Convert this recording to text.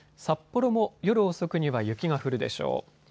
札幌も夜遅くには雪が降るでしょう。